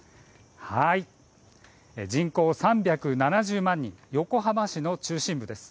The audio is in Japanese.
人口３７２万人、横浜市の中心部です。